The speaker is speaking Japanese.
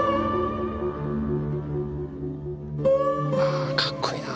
あかっこいいな。